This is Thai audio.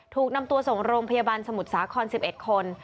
ถูกนำตัวส่งโรงพยาบาลสมุทรสาคร๑๑คน